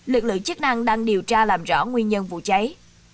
lực lượng chức năng đang điều tra làm rõ nguyên nhân vụ cháy